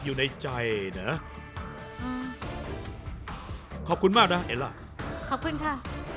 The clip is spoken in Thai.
อยู่ในใจนะขอบคุณมากนะเห็นล่ะขอบคุณค่ะ